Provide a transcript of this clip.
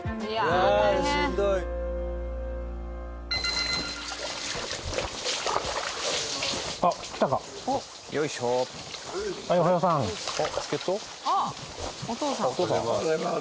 おはようございます。